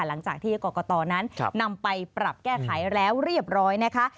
หลังจากที่กรกตนั้นนำไปปรับแก้ไขแล้วเรียบร้อยนะคะ